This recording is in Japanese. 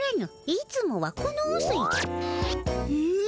いつもはこのうすいじゃ。え？